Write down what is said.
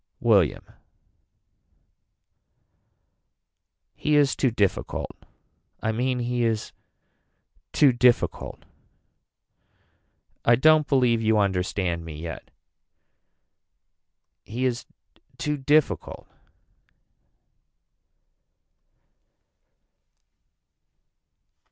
William. He is too difficult. I mean he is too difficult. I don't believe you understand me yet. He is too difficult.